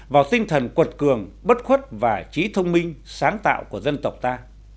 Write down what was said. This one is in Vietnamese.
vào tinh thần quật cường bất khuất và trí thông minh sáng tạo của dân tộc ta